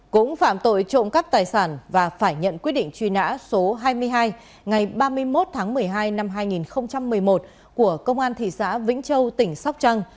cũng phạm tội trộm cắt tài sản và phải nhận quyết định truy nã số hai mươi hai ngày ba mươi một tháng một mươi hai năm hai nghìn một mươi một của công an thị xã vĩnh châu tỉnh sóc trăng